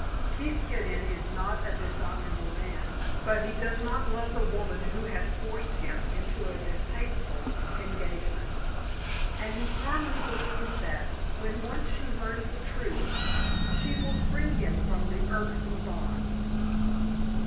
Keith Kenyon is not a dishonorable man; but he does not love the woman who has forced him into a distasteful engagement, and he firmly believes that, when once she learns the truth, she will free him from the irksome bonds.